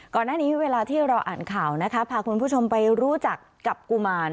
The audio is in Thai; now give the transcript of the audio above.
เวลานี้เวลาที่เราอ่านข่าวนะคะพาคุณผู้ชมไปรู้จักกับกุมาร